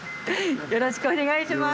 よろしくお願いします。